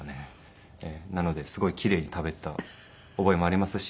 なのですごい奇麗に食べていた覚えもありますし。